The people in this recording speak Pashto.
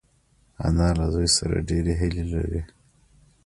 انا له زوی سره ډېرې هیلې لري